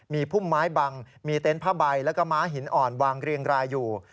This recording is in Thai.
มีพุ่มไม้บังมีเต็นต์ผ้าใบแล้วก็ม้าหินอ่อนวางเรียงรายอยู่